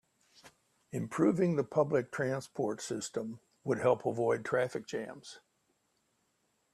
Improving the public transport system would help avoid traffic jams.